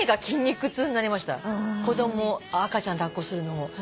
赤ちゃん抱っこするのも。